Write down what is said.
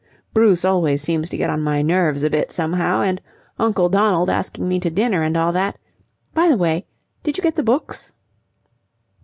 Bruce always seems to get on my nerves a bit somehow and Uncle Donald asking me to dinner and all that. By the way, did you get the books?"